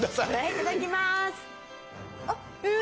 いただきまーす